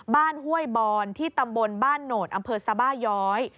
ห้วยบอนที่ตำบลบ้านโหนดอำเภอสบาย้อย